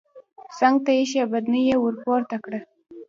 څنګ ته ايښی بدنۍ يې ورپورته کړه.